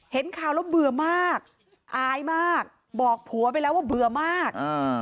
เห็นข่าวแล้วเบื่อมากอายมากบอกผัวไปแล้วว่าเบื่อมาก